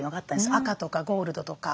赤とかゴールドとか。